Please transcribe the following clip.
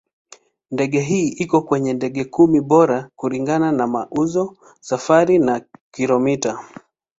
Ndege hii iko kwenye ndege kumi bora kulingana na mauzo, wasafiri na kilomita.